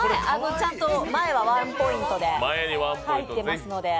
ちゃんと前はワンポイントで入ってますので。